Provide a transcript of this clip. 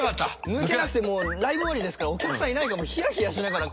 抜けなくてもうライブ終わりですからお客さんいないかひやひやしながらこの状態で。